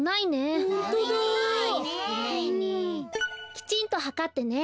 きちんとはかってね。